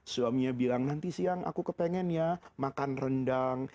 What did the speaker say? suaminya bilang nanti siang aku kepengen ya makan rendang